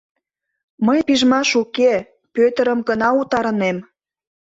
Мый пижмаш уке, Пӧтырым гына утарынем.